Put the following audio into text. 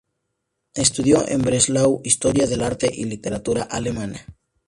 Estudió en Breslau historia del arte y literatura alemana.